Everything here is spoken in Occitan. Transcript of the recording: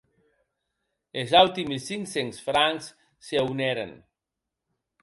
Es auti mil cinc cents francs se honeren.